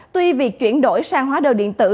tuy việc chuyển đổi sang hóa đơn điện tử